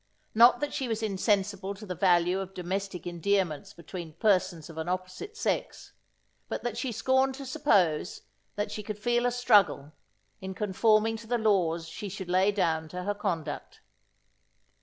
Not that she was insensible to the value of domestic endearments between persons of an opposite sex, but that she scorned to suppose, that she could feel a struggle, in conforming to the laws she should lay down to her conduct.